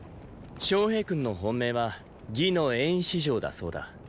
昌平君の本命は魏の“衍氏”城だそうだ。